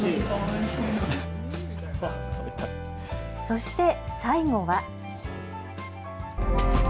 そして、最後は。